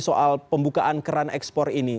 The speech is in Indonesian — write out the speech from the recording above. soal pembukaan keran ekspor ini